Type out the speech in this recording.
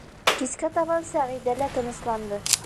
Кискә табан Сәғиҙә лә тынысланды.